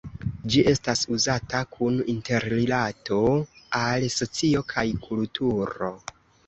Ĝi estas uzata kun interrilato al socio kaj kulturo.